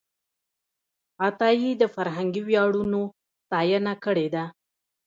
عطایي د فرهنګي ویاړونو ستاینه کړې ده.